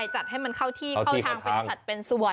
จัดให้มันเข้าที่เข้าทางเป็นส่วน